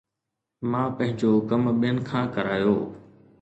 مان پنهنجو ڪم ٻين کان ڪرايو